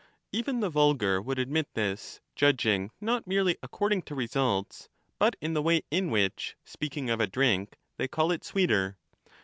Even the vulgar would admit this, judging not merely according to results but in the way in which, speaking of a drink, they call it sweeter.